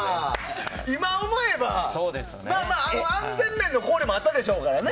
今思えば、安全面の考慮もあったでしょうからね。